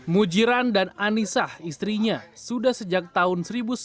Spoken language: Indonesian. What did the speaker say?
mujiran dan anissa istrinya sudah sejak tahun seribu sembilan ratus sembilan puluh